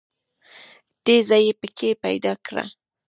تیږه یې په کې پیدا کړه.